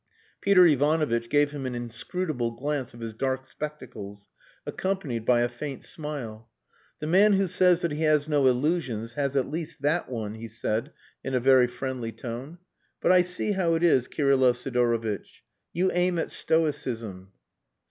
Peter Ivanovitch gave him an inscrutable glance of his dark spectacles, accompanied by a faint smile. "The man who says that he has no illusions has at least that one," he said, in a very friendly tone. "But I see how it is, Kirylo Sidorovitch. You aim at stoicism."